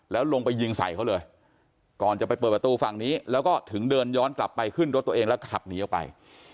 แล้วลงไปยิงใส่เขาเลยก่อนจะไปเปิดประตูฝั่งนี้แล้วก็ถึงเดินย้อนกลับไปขึ้นรถตัวเองแล้วขับหนีออกไป